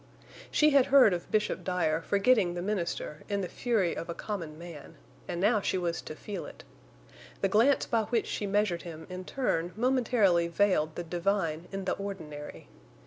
She had heard of Bishop Dyer forgetting the minister in the fury of a common man, and now she was to feel it. The glance by which she measured him in turn momentarily veiled the divine in the ordinary.